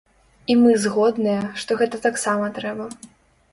І мы згодныя, што гэта таксама трэба.